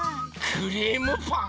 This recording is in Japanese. クリームパン。